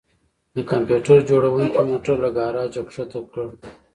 د کمپیوټر جوړونکي موټر له ګراج څخه ښکته کړ